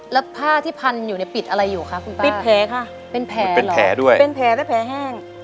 แล้วผ้าที่พันอยู่ปิดอะไรอยู่คะคุณป้าเป็นแผ่ด้วยเป็นแผ่แต่แผ่แห้ง